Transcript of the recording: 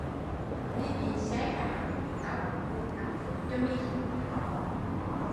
Mi bị xe cán, tau cũng buồn năm phút cho mi